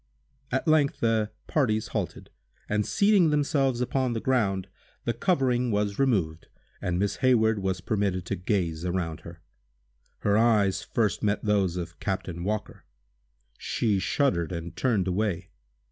At length the parties halted, and, seating themselves upon the ground, the covering was removed, and Miss Hayward was permitted to gaze around her. Her eyes first met those of Captain Walker. She shuddered, and turned away.